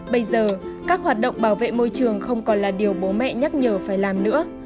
bây giờ các hoạt động bảo vệ môi trường không còn là điều bố mẹ nhắc nhở phải làm nữa